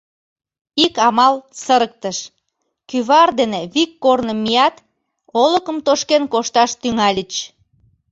Ик амал сырыктыш: кӱвар дене вик корно мият, олыкым тошкен кошташ тӱҥальыч.